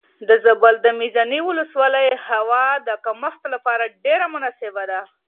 د زابل د میزانې ولسوالۍ هوا د کښت لپاره ډېره مناسبه ده.